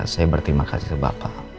saya berterima kasih ke bapak